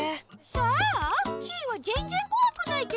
そう？キイはぜんぜんこわくないけど。